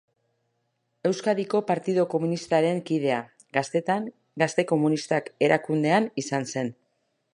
Euskadiko Partidu Komunistaren kidea, gaztetan Gazte Komunistak erakundean izan zen.